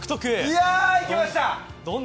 いやあ、いきました！